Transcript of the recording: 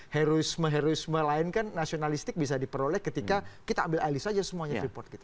heroisme heroisme lain kan nasionalistik bisa diperoleh ketika kita ambil alih saja semuanya freeport gitu